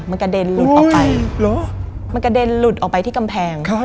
มันกระเด็นหลุดออกไปมันกระเด็นหลุดออกไปที่กำแพง